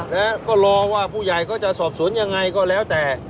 แล้วก็รอว่าผู้ใหญ่เขาจะสอบสวนยังไงก็แล้วแต่